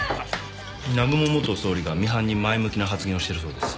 南雲元総理がミハンに前向きな発言をしてるそうです。